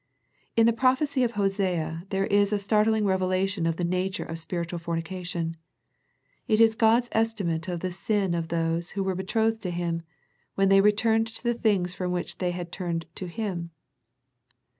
In the prophecy of Hosea there is a startling revelation of the nature of spiritual fornication. It is God's estimate of the sin of those who The Thyatira Letter 123 were betrothed to Him, when they return to the things from which they had turned to Him.